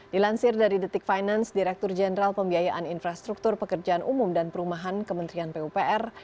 dilansir dari detik finance direktur jenderal pembiayaan infrastruktur pekerjaan umum dan perumahan kementerian pupr